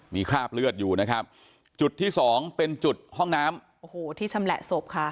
มีคราบเลือดอยู่นะครับจุดที่สองเป็นจุดห้องน้ำโอ้โหที่ชำแหละศพค่ะ